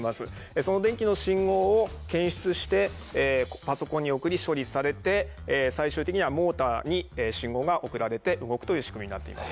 その電気の信号を検出してパソコンに送り処理されて最終的にはモーターに信号が送られて動くという仕組みになっています。